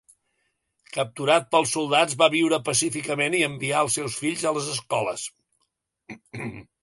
Capturat pels soldats, va viure pacíficament i envià els seus fills a les escoles.